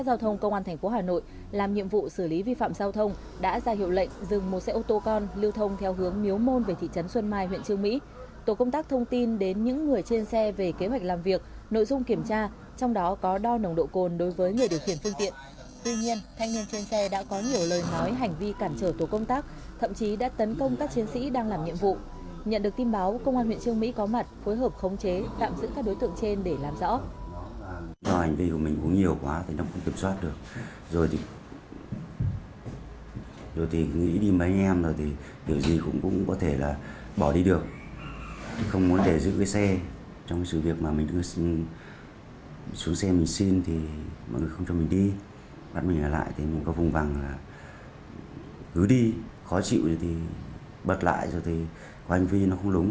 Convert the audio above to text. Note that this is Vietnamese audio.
do anh vy của mình uống nhiều quá thì nó không kiểm soát được rồi thì nghĩ đi với anh em rồi thì kiểu gì cũng có thể là bỏ đi được không muốn để giữ cái xe trong sự việc mà mình đưa xuống xe mình xin thì mọi người không cho mình đi bắt mình lại thì mình có vùng vằng là cứ đi khó chịu thì bật lại rồi thì có anh vy nó không đúng